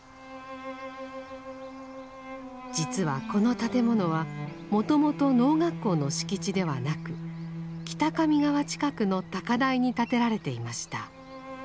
実はこの建物はもともと農学校の敷地ではなく北上川近くの高台に建てられていました。